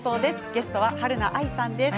ゲストははるな愛さんです。